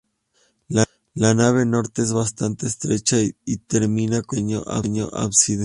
La nave norte es bastante estrecha y termina con un pequeño ábside.